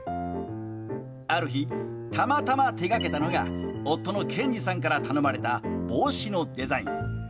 ある日、たまたま手がけたのが夫の堅司さんから頼まれた帽子のデザイン。